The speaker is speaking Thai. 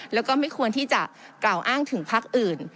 แล้วก็ไม่ควรที่จะกล่าวอ้างถึงพักอื่น